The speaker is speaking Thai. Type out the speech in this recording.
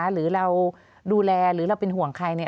หรือเราดูแลหรือเราเป็นห่วงใคร